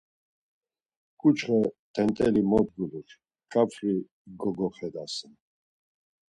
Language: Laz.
Ǩuçxe t̆ent̆eli mot gulur, ǩafri gogoxedaseren.